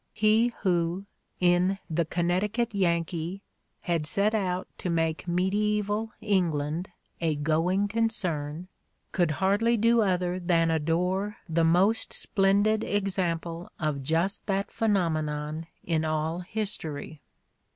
He who, in the "Connecticut Yankee," had set out to make mediaeval England a "going concern" could hardly do other than adore the most splendid exam ple of just that phenomenon in all history.